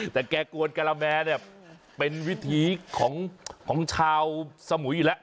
แต่แกกวนกรมแมนเนี่ยเป็นวิธีของชาวสมุยแล้ว